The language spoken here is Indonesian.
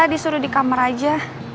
disuruh di kamar aja